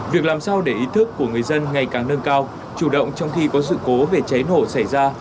việc làm sao để ý thức của người dân ngày càng nâng cao chủ động trong khi có sự cố về cháy nổ xảy ra